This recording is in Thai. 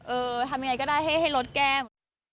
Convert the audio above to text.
เออทำยังไงก็ได้ให้ลดแก้ม